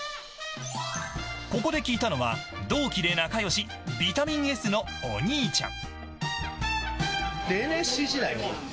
ここで聞いたのは同期で仲良しビタミンＳのお兄ちゃん。